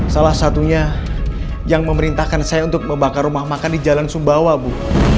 salah satunya yang memerintahkan saya untuk membakar rumah makan di jalan sumbawa bu